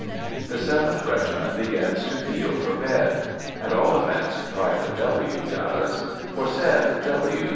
The Seventh Regiment begins to peel for bed: at all events, Private W. does; for said W.